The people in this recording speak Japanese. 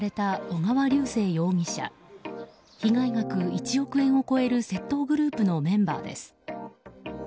およそ１億円を超える窃盗グループのメンバーです。